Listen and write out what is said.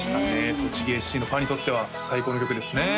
栃木ＳＣのファンにとっては最高の曲ですね